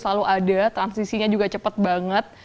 selalu ada transisinya juga cepet banget